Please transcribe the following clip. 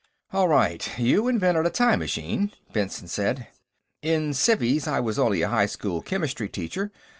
"All right, you invented a time machine," Benson said. "In civvies, I was only a high school chemistry teacher.